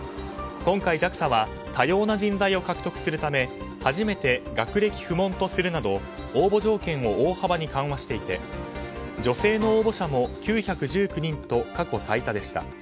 今回ＪＡＸＡは多様な人材を獲得するため初めて学歴不問とするなど応募条件を大幅に緩和していて女性の応募者も９１９人と過去最多でした。